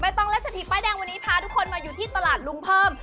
ต้องและเศรษฐีป้ายแดงวันนี้พาทุกคนมาอยู่ที่ตลาดลุงเพิ่ม